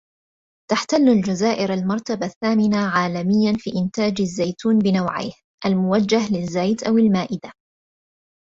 تحتل الجزائرالمرتبة الثامنة عالميا في إنتاج الزيتون بنوعيه الموجه للزيت أو المائدة